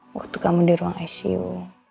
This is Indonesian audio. waktu kamu di ruang icu